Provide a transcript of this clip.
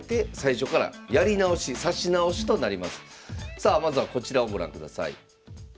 さあまずはこちらをご覧ください。